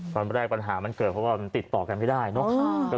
ปัญหามันเกิดเพราะว่ามันติดต่อกันไม่ได้เนอะ